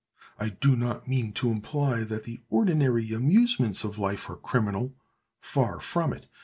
I do not mean to imply that the ordinary amusements of life are criminal—far from it.